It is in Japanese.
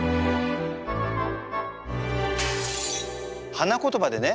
花言葉でね